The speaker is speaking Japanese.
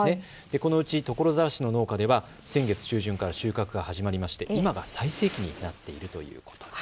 このうち所沢市の農家では先月中旬から収穫が始まりまして今が最盛期になっているということです。